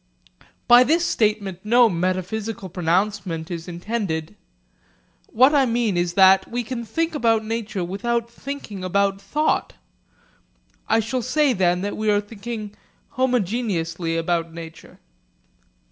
By this statement no metaphysical pronouncement is intended. What I mean is that we can think about nature without thinking about thought. I shall say that then we are thinking 'homogeneously' about nature.